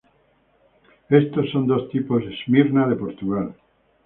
Estos son dos tipos smyrna de Portugal.